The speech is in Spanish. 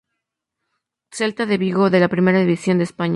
Celta de Vigo de la Primera División de España.